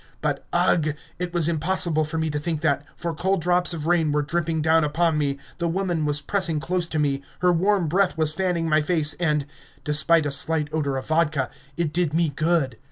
But, ugh! it was impossible for me to think that, for cold drops of rain were dripping down upon me, the woman was pressing close to me, her warm breath was fanning my face, and despite a slight odor of vodka it did me good.